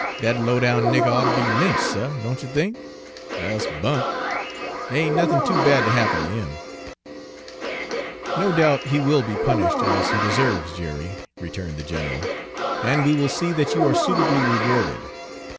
Dat low down nigger oughter be lynch', suh, don't you think, er e'se bu'nt? Dere ain' nothin' too bad ter happen ter 'im." "No doubt he will be punished as he deserves, Jerry," returned the general, "and we will see that you are suitably rewarded.